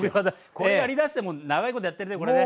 これやりだしてもう長いことやってるねこれね。